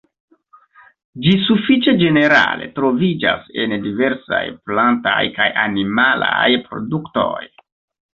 Ĝi sufiĉe ĝenerale troviĝas en diversaj plantaj kaj animalaj produktoj.